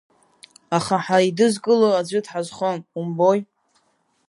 Аха ҳаидызкыло аӡәы дҳазхом, умбои.